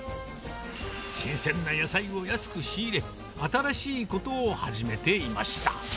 新鮮な野菜を安く仕入れ、新しいことを始めていました。